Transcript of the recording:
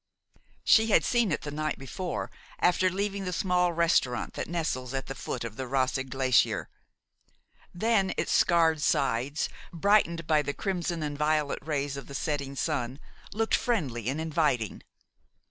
She had seen it the night before, after leaving the small restaurant that nestles at the foot of the Roseg Glacier. Then its scarred sides, brightened by the crimson and violet rays of the setting sun, looked friendly and inviting.